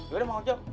yaudah bang ojo